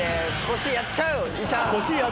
腰やっちゃう？